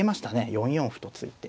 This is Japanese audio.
４四歩と突いて。